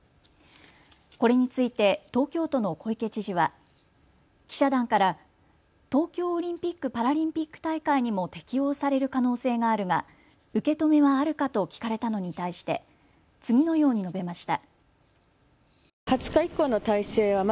これについて東京都の小池知事は記者団から東京オリンピック・パラリンピック大会にも適応される可能性があるが受け止めはあるかと聞かれたのに対して次のように述べました。